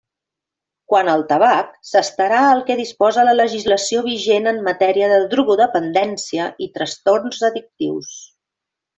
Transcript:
Quant al tabac s'estarà al que disposa la legislació vigent en matèria de drogodependència i trastorns addictius.